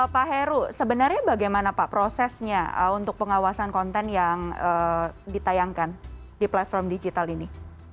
pak heru sebenarnya bagaimana pak prosesnya untuk pengawasan konten yang ditayangkan di platform digital ini